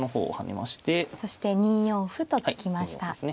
そして２四歩と突きました。